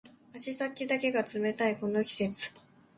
足先だけが冷たいこの季節